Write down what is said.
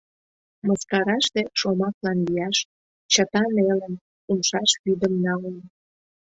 Мыскараште — шомаклан вияш, Чыта нелым, умшаш вӱдым налын.